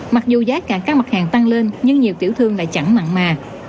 mặc dù giá cả các mặt hàng tăng lên nhưng nhiều tiểu thương đã chẳng mặn mà